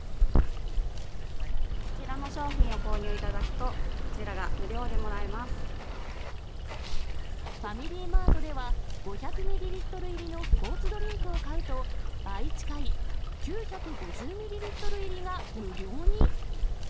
こちらの商品を購入いただくと、ファミリーマートでは、５００ミリリットル入りのスポーツドリンクを買うと、倍近い９５０ミリリットル入りが無料に？